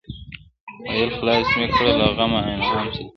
ویل خلاص مي کړې له غمه انعام څه دی-